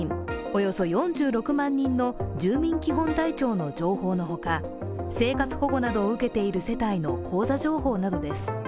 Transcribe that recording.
およそ４６万人の住民基本台帳の情報のほか生活保護などを受けている世帯の口座情報などです。